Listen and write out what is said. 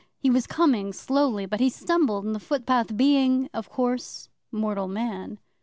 'He was coming slowly, but he stumbled in the footpath, being, of course, mortal man.